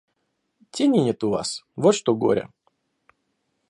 Тени нет у вас, вот что горе.